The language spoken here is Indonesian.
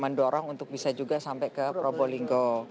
mendorong untuk bisa juga sampai ke probolinggo